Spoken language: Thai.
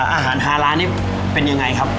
อาหารฮาร้านนี้เป็นยังไงครับ